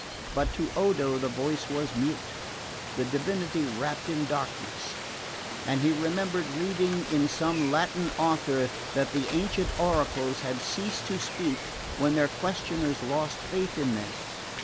But to Odo the voice was mute, the divinity wrapped in darkness; and he remembered reading in some Latin author that the ancient oracles had ceased to speak when their questioners lost faith in them.